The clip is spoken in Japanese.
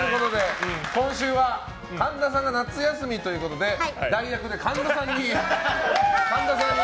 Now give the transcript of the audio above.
今週は神田さんが夏休みということで代役で神田さんに。